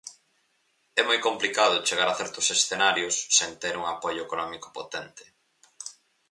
É moi complicado chegar a certos escenarios sen ter un apoio económico potente.